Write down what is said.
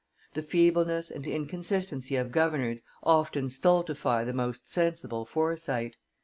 The feebleness and inconsistency of governors often stultify the most sensible foresight.